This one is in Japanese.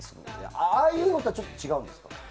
ああいうのとはちょっと違うんですか？